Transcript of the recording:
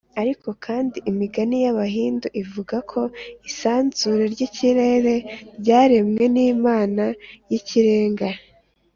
ariko kandi, imigani y’abahindu ivuga ko isanzure ry’ikirere ryaremwe n’imana y’ikirenga